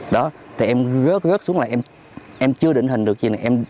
đó thì em rớt rớt xuống lại em chưa định hình được gì